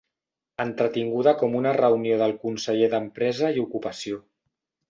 Entretinguda com una reunió del conseller d'Empresa i Ocupació.